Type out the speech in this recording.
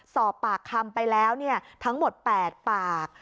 สอบปากคำไปแล้วทั้งหมด๘ปาก